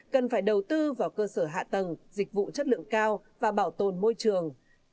cần phải đầu tư vào cơ sở hạ tầng dịch vụ chất lượng cao và bảo tồn môi trường